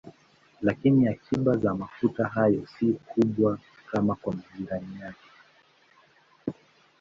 Lakini akiba za mafuta hayo si kubwa kama kwa majirani yake.